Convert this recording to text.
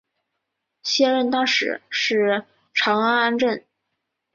现任大使是长岭安政。